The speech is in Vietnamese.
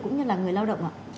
cũng như là người lao động